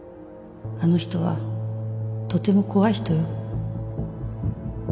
あの人はとても怖い人よ